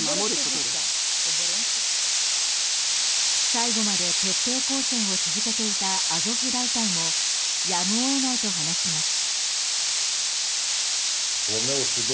最後まで徹底抗戦を続けていたアゾフ大隊もやむを得ないと話します。